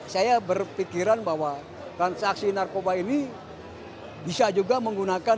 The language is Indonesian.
saya berpikiran bahwa transaksi narkoba ini bisa juga menggunakan